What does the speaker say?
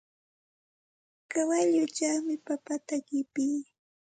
Kawalluchawmi papata qipii.